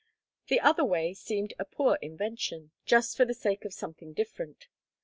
The other way seemed a poor invention, just for the sake of something different.